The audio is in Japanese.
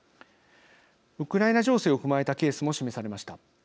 ウクライナ情勢を踏まえたケースも示されました。